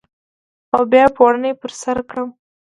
او بیا پوړنی پر سرکړم